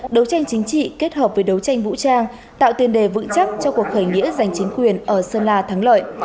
đấu tranh chính trị kết hợp với đấu tranh vũ trang tạo tiền đề vững chắc cho cuộc khởi nghĩa giành chính quyền ở sơn la thắng lợi